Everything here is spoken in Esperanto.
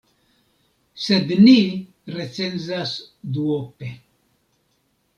Sed ni recenzas duope.